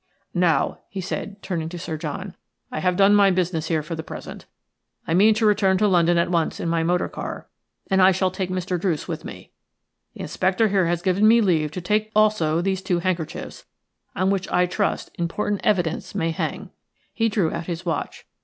"Now," he said, turning to Sir John, "I have done my business here for the present. I mean to return to London at once in my motorcar, and I shall take Mr. Druce with me. The inspector here has given me leave to take also these two handkerchiefs, on which I trust important evidence may hang." He drew out his watch.